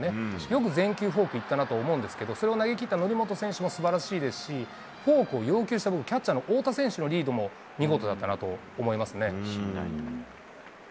よく全球フォークいったなと思うんですけど、それを投げきった則本選手もすばらしいですし、フォークを要求した分、キャッチャーの太田選手のリードも見事だったなと思いますね。